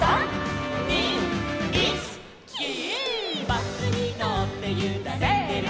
「バスにのってゆられてる」